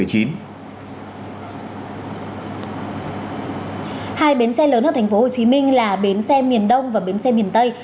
hai bến xe lớn ở tp hcm là bến xe miền đông và bến xe miền tây